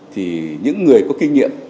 thì những người có kinh nghiệm